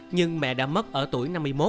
nhưng mẹ đã mất ở tuổi năm mươi một